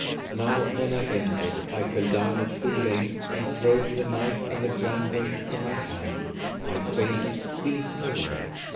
Now when I entered, I fell down at full length and throwing the knife and the dram weight from my hand, I fainted clean away.